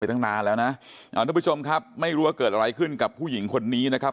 ตั้งนานแล้วนะอ่าทุกผู้ชมครับไม่รู้ว่าเกิดอะไรขึ้นกับผู้หญิงคนนี้นะครับ